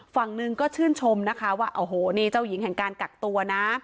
ฝั่งหนึ่งก็ชื่นชมนะคะว่าโอ้โหนี่เจ้าหญิงแห่งการกักตัวนะ